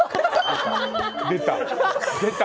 出た？